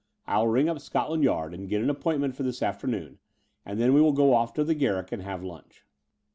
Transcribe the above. I'll ring up Scotland Yard and get an appointment for this afternoon; and then we will go off to the Garrick and have lunch."